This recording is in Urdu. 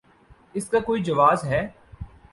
اس کا کوئی جواز ہے؟